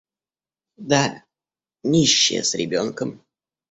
Да, нищая с ребенком.